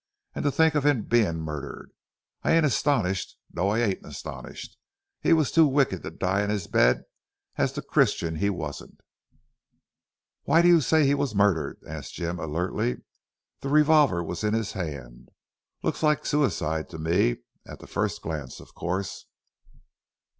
And to think of him being murdered. I ain't astonished, no I ain't astonished. He was too wicked to die in his bed as the Christian he wasn't." "Why do you say he was murdered?" asked Jim alertly. "The revolver was in his hand. Looks like suicide to me, at the first glance of course."